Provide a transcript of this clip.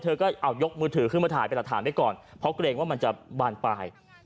เธอก็เอายกมือถือขึ้นมาถ่ายเป็นหลักฐานไว้ก่อนเพราะเกรงว่ามันจะบานปลาย